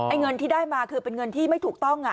เงินที่ได้มาคือเป็นเงินที่ไม่ถูกต้อง